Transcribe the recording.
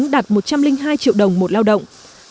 đạt một trăm linh hai triệu đồng một lao động